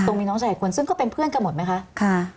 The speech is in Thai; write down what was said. มีน้องชายอีกคนซึ่งก็เป็นเพื่อนกันหมดไหมคะ